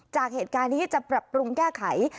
จากเหตุการณ์นี้จะปรับปรุงแก้ไข